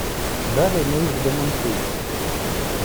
Далі ми їх демонтуємо.